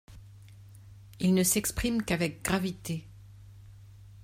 Il ne s'exprime qu'avec gravité.